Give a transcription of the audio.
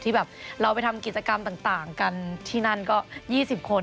ที่แบบเราไปทำกิจกรรมต่างกันที่นั่นก็๒๐คน